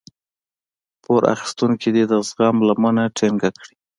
پور اخيستونکی دې د زغم لمنه ټينګه کړي.